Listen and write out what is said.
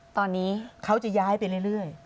ตอนนี้เขาจะย้ายไปเรื่อย